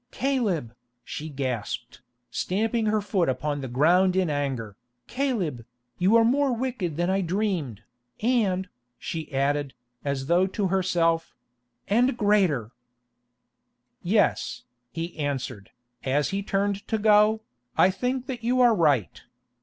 "Caleb," she gasped, stamping her foot upon the ground in anger, "Caleb, you are more wicked than I dreamed, and," she added, as though to herself—"and greater!" "Yes," he answered, as he turned to go, "I think that you are right.